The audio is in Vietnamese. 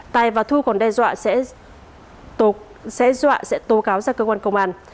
tài và thu còn đe dọa sẽ tố cáo ra cơ quan công an